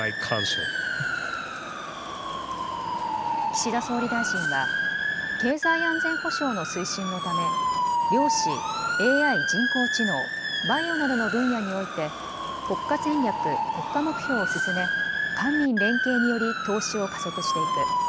岸田総理大臣は経済安全保障の推進のため、量子、ＡＩ・人工知能、バイオなどの分野において国家戦略・国家目標を進め官民連携により投資を加速していく。